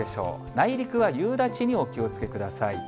内陸は夕立にお気をつけください。